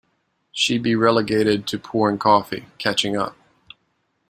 She'd be relegated to pouring coffee, catching up.